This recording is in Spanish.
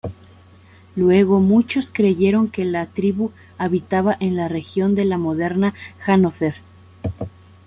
Luego muchos creyeron que la tribu habitaba en la región de la moderna Hannover.